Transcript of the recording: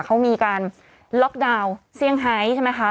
เขามีการล็อกดาวน์เซี่ยงไฮท์ใช่ไหมคะ